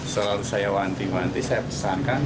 selalu saya wanti wanti saya pesankan